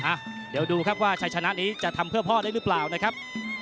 อ่ะเดี๋ยวดูครับว่าชัยชนะนี้จะทำเพื่อพ่อได้หรือเปล่านะครับ